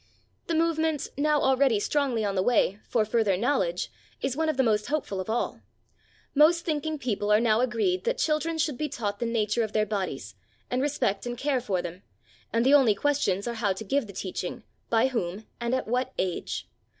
The movement, now already strongly on the way, for further knowledge is one of the most hopeful of all. Most thinking people are now agreed that children should be taught the nature of their bodies, and respect and care for them, and the only questions are how to give the teaching, by whom and at what age.